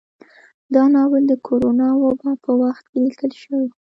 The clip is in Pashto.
دا ناول د کرونا وبا په وخت کې ليکل شوى